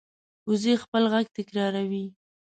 وزې خپل غږ تکراروي